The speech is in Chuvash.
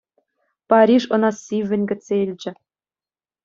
Париж ӑна сиввӗн кӗтсе илчӗ.